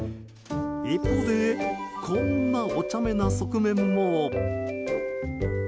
一方でこんなおちゃめな側面も。